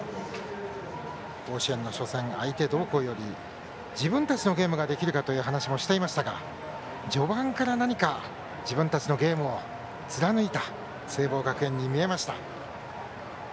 甲子園の初戦相手どうこうより自分たちのゲームができるかという話をしてましたが序盤から自分たちのゲームを貫いた聖望学園に見えました。